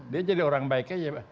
dia jadi orang baik aja